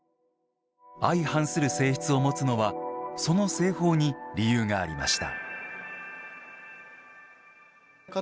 相反する性質を持つのはその製法に、理由がありました。